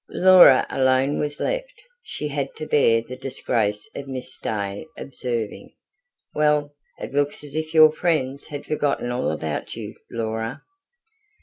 Laura alone was left: she had to bear the disgrace of Miss Day observing: "Well, it looks as if YOUR friends had forgotten all about you, Laura."